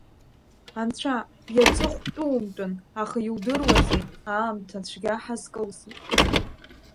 Анцәа иаҵыхәтәумтәын, аха иудыруазеи, аамҭа цәгьа ҳазкылсит.